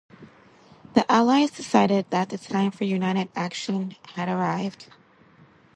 The allies decided that the time for united action had arrived.